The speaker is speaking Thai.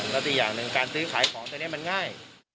แล้วอีกอย่างหนึ่งการซื้อขายของตัวนี้มันง่าย